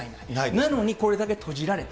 なのにこれだけ閉じられた。